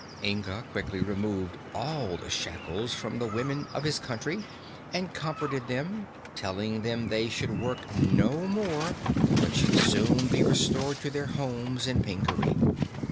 Inga quickly removed all the shackles from the women of his country and comforted them, telling them they should work no more but would soon be restored to their homes in Pingaree.